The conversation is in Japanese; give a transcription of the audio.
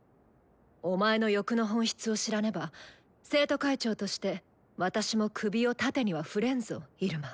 お前の欲の本質を知らねば生徒会長として私も首を縦には振れんぞイルマ。